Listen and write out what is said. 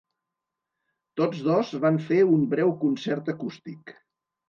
Tots dos van fer un breu concert acústic.